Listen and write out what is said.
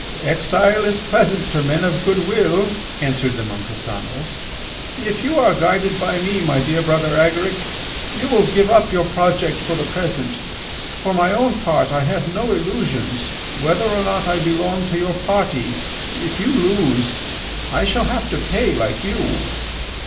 "Exile is pleasant to men of good will," answered the monk of Conils. "If you are guided by me, my dear Brother Agaric, you will give up your project for the present. For my own part I have no illusions. Whether or not I belong to your party, if you lose, I shall have to pay like you."